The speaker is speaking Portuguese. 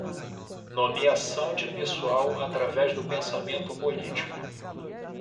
Nomeação de pessoal através do pensamento político